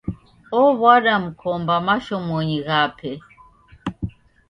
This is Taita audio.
Ow'ada mkomba mashomonyi ghape.